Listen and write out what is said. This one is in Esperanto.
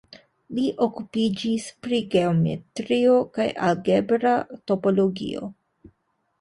Li okupiĝis pri geometrio kaj algebra topologio.